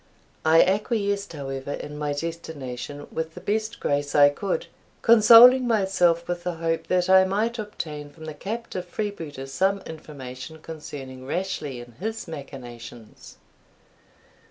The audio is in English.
I acquiesced, however, in my destination with the best grace I could, consoling myself with the hope that I might obtain from the captive freebooter some information concerning Rashleigh and his machinations.